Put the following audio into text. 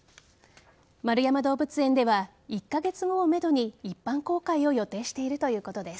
円山動物園では１カ月後をめどに一般公開を予定しているということです。